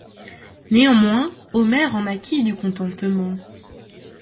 Néanmoins Omer en acquit du contentement.